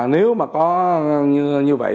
nếu mà có như vậy